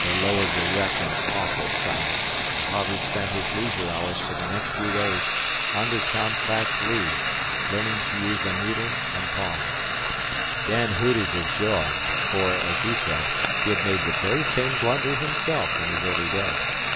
They lowered the wreck in awful silence, and Harvey spent his leisure hours for the next few days under Tom Platt's lee, learning to use a needle and palm. Dan hooted with joy, for, as he said, he had made the very same blunder himself in his early days.